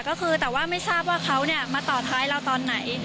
ก็คือแต่ว่าไม่ทราบว่าเขามาต่อท้ายเราตอนไหน